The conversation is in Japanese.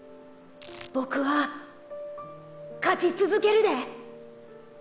ボクは勝ち続けるで。